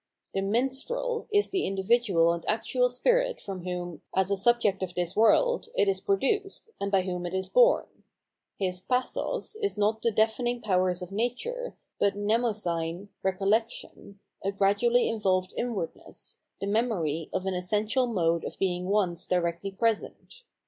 The Minstrel is the individual and actual spirit from whom, as a subject of this world, it is produced, and by whom it is home. His " pathos " is not the deafening powers of nature, but Mnemosyne, Recollection, a gradually evolved inwardness, the memory of an essential mode of being once directly present.